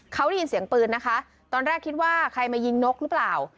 เขาได้ยินเสียงปืนนะคะตอนแรกคิดว่าใครมายิงนกหรือเปล่า